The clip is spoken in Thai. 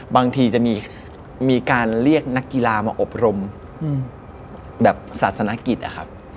บางทีจะมีการเรียกนักกีฬามาอบรมแบบศาสนกิจอะครับ